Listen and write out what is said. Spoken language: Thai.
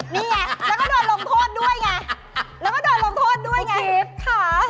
นี่แล้วก็โดนลงโทษด้วยไง